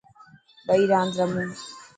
ٻئي راند رمو.